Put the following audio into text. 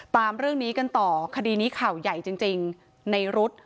ตามเรื่องนี้กันต่อคดีนี้ข่าวใหญ่จริงในรุ๊ด